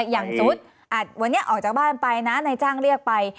อย่างสมมุติวันนี้ออกจากบ้านไปนะนายจ้างเรียกไป